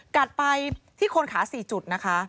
กัดไปที่โคนขา๔จุดนะคะ